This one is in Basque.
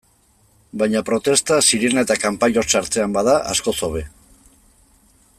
Baina protesta, sirena eta kanpai hots artean bada, askoz hobe.